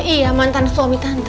iya mantan suami tante